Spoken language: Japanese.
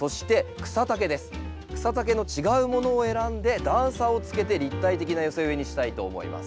草丈の違うものを選んで段差をつけて立体的な寄せ植えにしたいと思います。